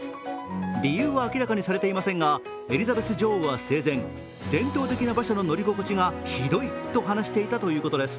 理由は明らかにされていませんがエリザベス女王は生前、伝統的な馬車の乗り心地がひどいと話していたということです。